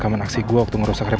ke mana arah cctv itu ngerekam